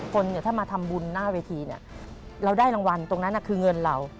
คนเนี่ยถ้ามาทำบุญหน้าเวทีเนี่ยเราได้รางวัลตรงนั้นคือเงินเรา